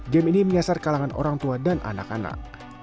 game ini menyasar kalangan orang tua dan anak anak